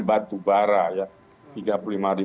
batu bara ya tiga puluh lima ribu